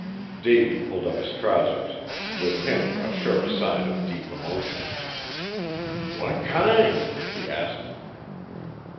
Davy pulled up his trousers; with him a sure sign of deep emotion. "What kind?" he asked.